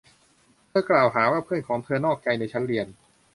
เธอกล่าวหาว่าเพื่อนของเธอนอกใจในชั้นเรียน